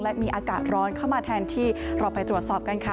และมีอากาศร้อนเข้ามาแทนที่เราไปตรวจสอบกันค่ะ